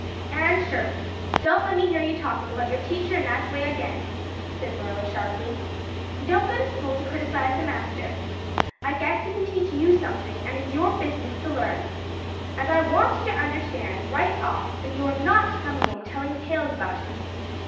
"Anne Shirley, don't let me hear you talking about your teacher in that way again," said Marilla sharply. "You don't go to school to criticize the master. I guess he can teach you something, and it's your business to learn. And I want you to understand right off that you are not to come home telling tales about him.